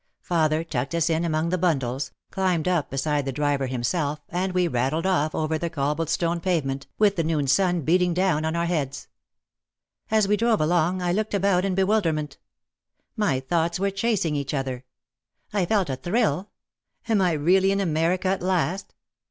Father tucked us in among the bundles, climbed up beside the driver himself and we rattled off over the cobbled stone pavement, with the noon sun beating down on our heads. As we drove along I looked about in bewilderment. My thoughts were chasing each other. I felt a thrill: "Am I really in America at last?"